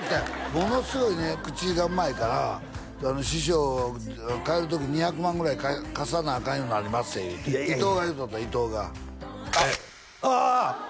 ものすごいね口がうまいから師匠帰る時２００万ぐらい貸さなアカンようになりまっせ伊藤が言うとった伊藤がああ！